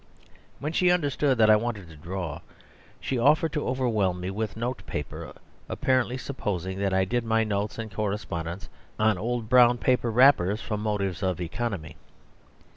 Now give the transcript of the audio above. When she understood that I wanted to draw she offered to overwhelm me with note paper, apparently supposing that I did my notes and correspondence on old brown paper wrappers from motives of economy.